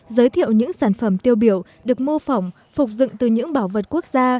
giới thiệu những sản phẩm tiêu biểu được mô phỏng phục dựng từ những bảo vật quốc gia